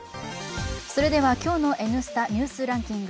今日の「Ｎスタ・ニュースランキング」